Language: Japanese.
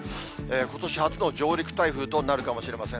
ことし初の上陸台風となるかもしれません。